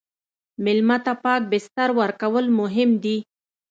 مېلمه ته پاک بستر ورکول مهم دي.